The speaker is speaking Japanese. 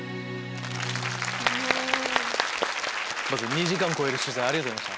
まず２時間を超える取材ありがとうございました。